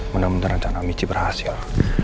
mudah mudahan rencana michi berhasil